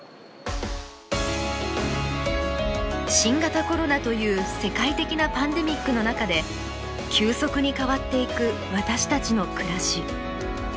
新型コロナという世界的なパンデミックの中で急速に変わっていく私たちの暮らし。